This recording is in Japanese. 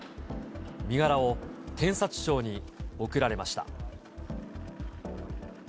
身柄を検察庁に送られました。